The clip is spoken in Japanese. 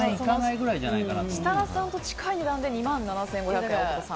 設楽さんと近い値段で２万７５００円、大久保さん。